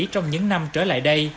trong những năm trở lại đây